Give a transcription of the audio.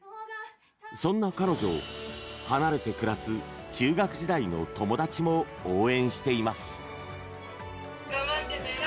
そんな彼女を、離れて暮らす中学時代の友達も応援しています。